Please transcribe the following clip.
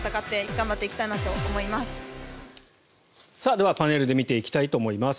ではパネルで見ていきたいと思います。